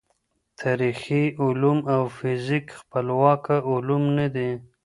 تاریخي علوم او فزیک خپلواکه علوم نه دي.